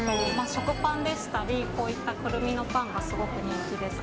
食パンでしたりこういったクルミのパンがすごく人気です。